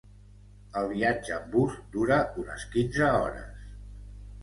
El viatge amb bus dura unes quinze hores.